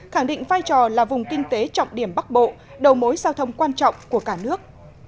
khẳng định vai trò là vùng kinh tế trọng điểm bắc bộ đầu mối giao thông quan trọng của cả nước